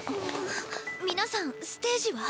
皆さんステージは？